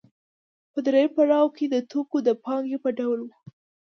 په درېیم پړاو کې د توکو د پانګې په ډول وه